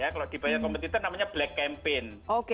kalau dibayar kompetitor namanya black campaign